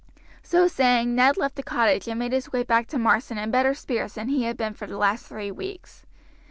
So saying Ned left the cottage and made his way back to Marsden in better spirits than he had been for the last three weeks.